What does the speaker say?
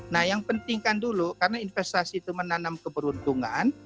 nah yang pentingkan dulu karena investasi itu menanam keberuntungan